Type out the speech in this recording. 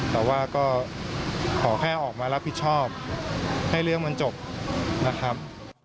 แต่ว่าก็ขอแค่ออกมารับผิดชอบให้เรื่องมันจบนะครับ